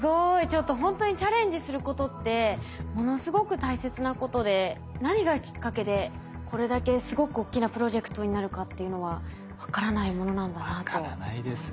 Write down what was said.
ちょっとほんとにチャレンジすることってものすごく大切なことで何がきっかけでこれだけすごく大きなプロジェクトになるかっていうのは分からないものなんだなと思いました。